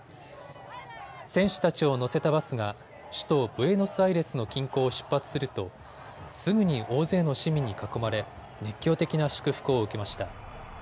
選手たちを乗せたバスが首都ブエノスアイレスの近郊を出発するとすぐに大勢の市民に囲まれ熱狂的な祝福を受けました。